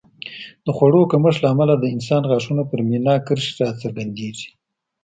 د خوړو کمښت له امله د انسان غاښونو پر مینا کرښې راڅرګندېږي